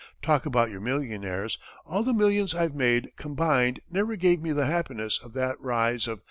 "Talk about your millionaires! All the millions I've made combined, never gave me the happiness of that rise of $2.